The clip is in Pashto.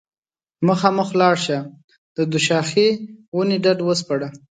مخامخ لاړه شه د دوشاخې ونې ډډ وسپړه